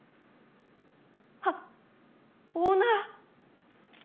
あっオーナー。